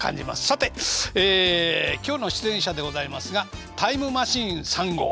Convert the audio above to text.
さて今日の出演者でございますがタイムマシーン３号。